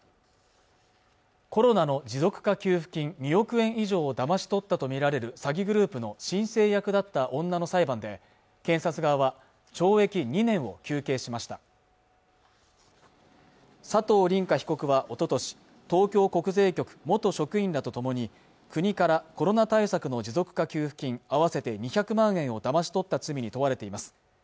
コロナの持続化給付金２億円以上をだまし取ったと見られる詐欺グループの申請役だった女の裁判で検察側は懲役２年を求刑しました佐藤凛果被告はおととし東京国税局元職員らと共に国からコロナ対策の持続化給付金合わせて２００万円をだまし取った罪に問われています